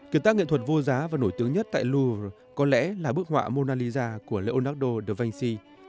kiến tác nghệ thuật vô giá và nổi tiếng nhất tại louvre có lẽ là bức họa mona lisa của leonardo da vinci